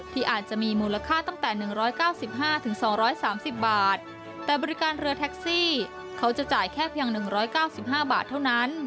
ที่อาจจะมีมูลค่าตั้งแต่หนึ่งร้อยเก้าสิบห้าถึงสองร้อยสามสิบบาทแต่บริการเรือแท็กซี่เขาจะจ่ายแค่เพียงหนึ่งร้อยเก้าสิบห้าบาทเท่านั้น